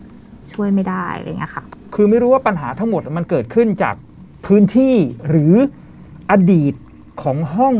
ก็ช่วยไม่ได้อะไรอย่างเงี้ยค่ะคือไม่รู้ว่าปัญหาทั้งหมดมันเกิดขึ้นจากพื้นที่หรืออดีตของห้อง